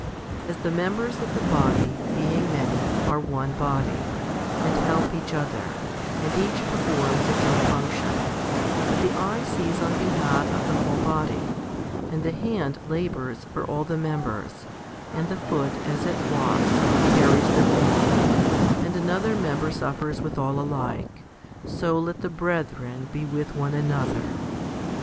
As the members of the body, being many, are one body,' 1 and help each other, and each performs its own function, but the eye sees on behalf of the whole body, and the hand labours for all the members, and the foot, as it walks, carries them all, and another member suffers with all alike, so let the brethren be with one another.